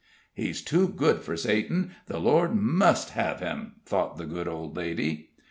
"He's too good for Satan the Lord must hev him," thought the good old lady.